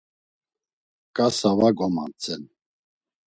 Kasa va gomantzen.